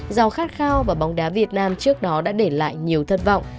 giàu khát khao và bóng đá việt nam trước đó đã để lại nhiều thất vọng